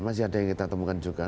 masih ada yang kita temukan juga